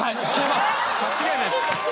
間違いないです。